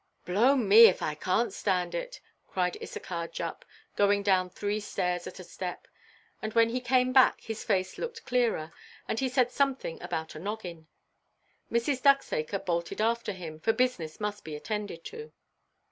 "Blow me if I can stand it," cried Issachar Jupp, going down three stairs at a step; and when he came back his face looked clearer, and he said something about a noggin. Mrs. Ducksacre bolted after him, for business must be attended to.